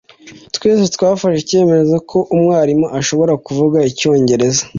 twese twafashe icyemezo ko umwarimu ashobora kuvuga icyongereza